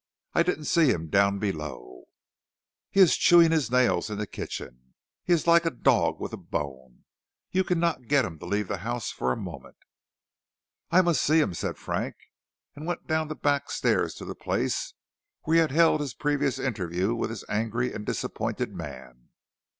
"I didn't see him down below." "He is chewing his nails in the kitchen. He is like a dog with a bone; you cannot get him to leave the house for a moment." "I must see him," said Frank, and went down the back stairs to the place where he had held his previous interview with this angry and disappointed man.